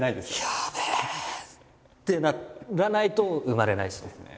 やべえってならないと生まれないですね。